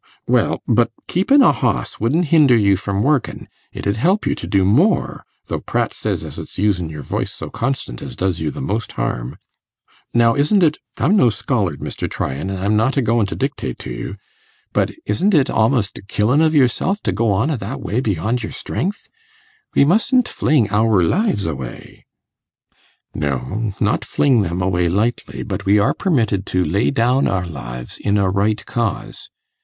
'Well! but keepin' a hoss wouldn't hinder you from workin'. It 'ud help you to do more, though Pratt says as it's usin' your voice so constant as does you the most harm. Now, isn't it I'm no scholard, Mr. Tryan, an' I'm not a goin' to dictate to you but isn't it a'most a killin' o' yourself, to go on a' that way beyond your strength? We mustn't fling ower lives away.' 'No, not fling them away lightly, but we are permitted to lay down our lives in a right cause.